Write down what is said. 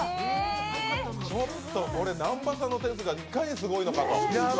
ちょっと南波さんの点数がいかにすごいのかと。